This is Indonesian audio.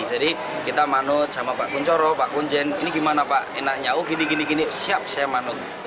jadi kita manut sama pak kuncoro pak kunjen ini gimana pak enaknya oh gini gini siap saya manut